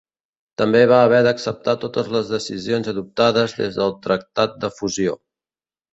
També va haver d'acceptar totes les decisions adoptades des del Tractat de fusió.